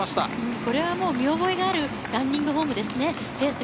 これは見覚えのあるランニングフォームです。